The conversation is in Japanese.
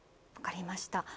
分かりました。